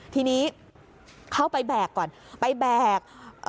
ทีนี้เข้าไปแบกก่อนไปแบก